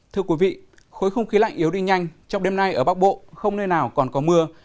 thưa quý vị khối không khí lạnh yếu đi nhanh trong đêm nay ở bắc bộ không nơi nào còn có mưa